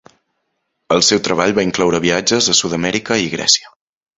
El seu treball va incloure viatges a Sud-amèrica i Grècia.